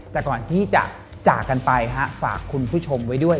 แต่ก่อนที่จะจากกันไปฝากคุณผู้ชมไว้ด้วย